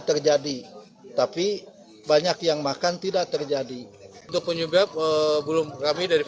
terjadi tapi banyak yang makan tidak terjadi untuk penyebab belum kami dari